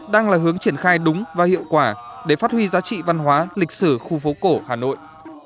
đang là hướng triển khai đúng và hiệu quả để phát huy giá trị văn hóa lịch sử khu phố cổ hà nội